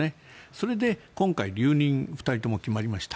それで、今回留任が２人とも決まりました。